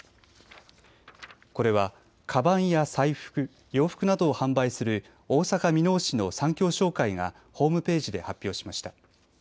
これは、かばんや財布、洋服などを販売する大阪箕面市の三京商会がホームページで発表しました。